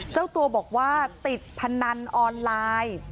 เจ้าตัวบอกว่าติดพนันออนไลน์